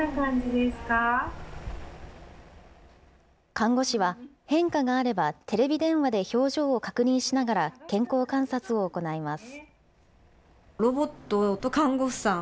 看護師は、変化があればテレビ電話で表情を確認しながら健康観察を行います。